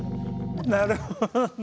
なるほど！